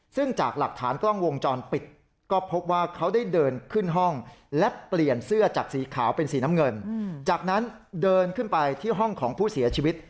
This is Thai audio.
ซึ่งจากหลักฐานกล้องวงจรปิดก็พบว่าเขาได้เดินขึ้นห้องและเปลี่ยนเสื้อจากสีขาวเป็นสีน้ำเงินจากนั้นเดินขึ้นไปที่ห้องของผู้เสียชีวิต